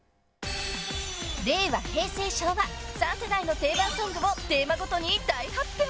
令和、平成、昭和３世代の定番ソングをテーマごとに大発表！